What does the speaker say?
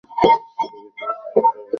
তাকে কিছু প্রশ্ন করতে হবে।